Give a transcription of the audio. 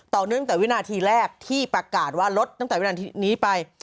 เนื่องแต่วินาทีแรกที่ประกาศว่าลดตั้งแต่วินาทีนี้ไป